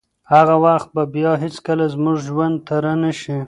هغه وخت به بیا هیڅکله زموږ ژوند ته رانشي.